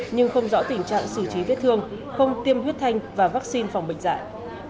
nhưng không rõ tình trạng xử trí viết thương không tiêm huyết thanh và vaccine phòng bệnh dại